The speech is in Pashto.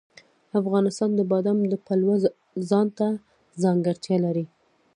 افغانستان د بادام د پلوه ځانته ځانګړتیا لري.